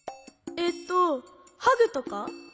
えっとハグとか？